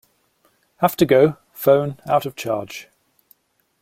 Have to go; phone out of charge.